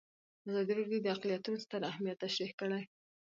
ازادي راډیو د اقلیتونه ستر اهميت تشریح کړی.